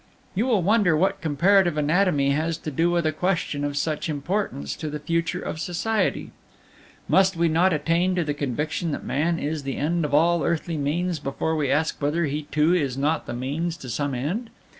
"You will wonder what comparative anatomy has to do with a question of such importance to the future of society. Must we not attain to the conviction that man is the end of all earthly means before we ask whether he too is not the means to some end?